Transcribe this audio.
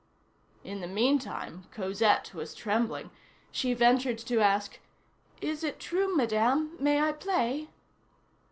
In the meantime, Cosette was trembling. She ventured to ask:— "Is it true, Madame? May I play?"